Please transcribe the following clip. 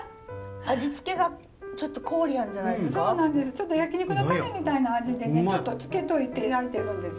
ちょっと焼き肉のタレみたいな味でねちょっと漬けといて焼いてるんです。